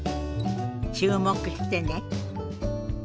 注目してね。